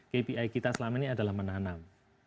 kpi kita selama ini adalah menanam